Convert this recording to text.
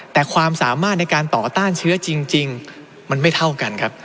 แต่ความสามารถในการต่อต้านเชื้อจริงมันไม่เท่ากันครับ